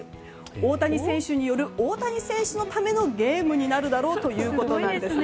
大谷選手による大谷選手のためのゲームになるだろうということです。